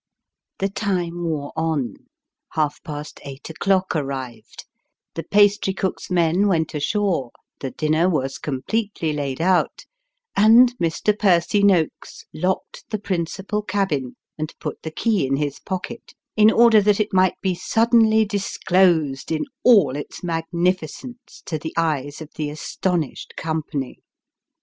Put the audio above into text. The time wore on ; half past eight o'clock arrived ; the pastrycook's men went ashore ; the dinner was completely laid out ; and Mr. Percy Noakes locked the principal cabin, and put the key in his pocket, in order that it might be suddenly disclosed, in all its magnificence, to the eyes of the astonished company.